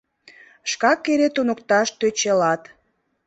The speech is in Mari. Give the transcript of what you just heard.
Шкак эре туныкташ тӧчылат.